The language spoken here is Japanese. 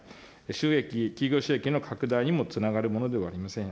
収益、企業収益の拡大にもつながるものではありません。